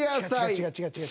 違う違う違う違う。